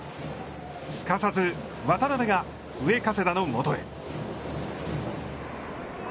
すかさず渡辺が、上加世田のもとへ。